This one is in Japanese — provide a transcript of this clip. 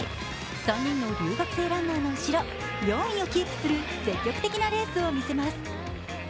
３人の留学生ランナーの後ろ４位をキープする積極的なレースを見せます。